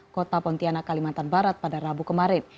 kota pontianak kalimantan barat pada rabu kemarin